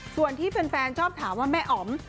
ส่วนที่แฟนชอบถามว่าแม่อ๋อม